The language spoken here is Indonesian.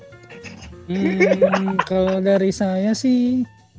kalau dari saya sih